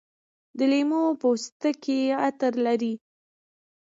د لیمو پوستکي عطر لري.